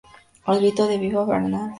Al grito de ¡Viva Bernal!